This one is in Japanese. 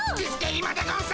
今でゴンス！